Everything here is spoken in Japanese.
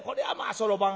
そろばん